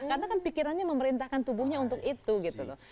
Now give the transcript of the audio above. karena kan pikirannya memerintahkan tubuhnya untuk itu gitu loh